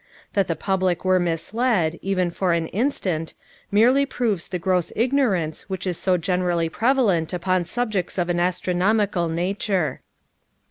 That the public were misled, even for an instant, merely proves the gross ignorance which is so generally prevalent upon subjects of an astronomical nature.